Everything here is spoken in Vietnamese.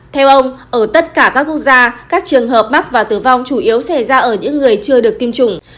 theo ông ở tất cả các quốc gia các trường hợp mắc và tử vong chủ yếu xảy ra ở những người chưa được tiêm chủng